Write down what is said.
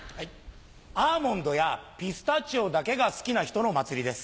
アーモンドやピスタチオだけが好きな人の祭りです。